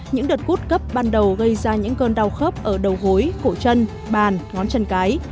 những đợt gút cấp ban đầu gây ra những cơn đau khớp ở đầu gối cổ chân bàn ngón chân cái